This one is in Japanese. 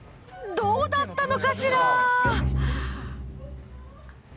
どうだったのかしら？